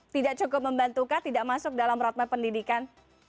tidak cukup membantukah tidak masuk dalam roadmap pendidikan